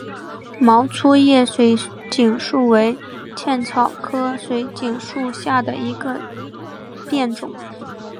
毛粗叶水锦树为茜草科水锦树属下的一个变种。